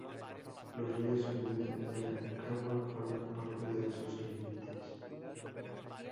Los ríos Sumida y Arakawa forman parte de sus límites.